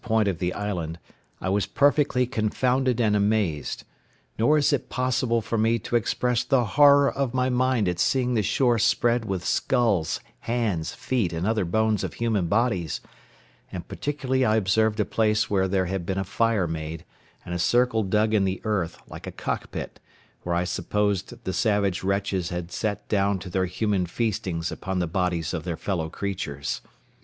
point of the island, I was perfectly confounded and amazed; nor is it possible for me to express the horror of my mind at seeing the shore spread with skulls, hands, feet, and other bones of human bodies; and particularly I observed a place where there had been a fire made, and a circle dug in the earth, like a cockpit, where I supposed the savage wretches had sat down to their human feastings upon the bodies of their fellow creatures.